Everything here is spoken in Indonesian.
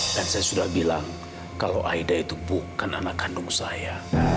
dan saya sudah bilang kalau aida itu bukan anak kandung saya